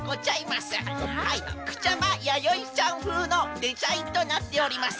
くチャまやよいチャんふうのデチャインとなっております。